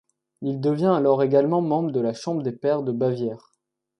Il devient alors également membre de la Chambre des pairs de Bavière.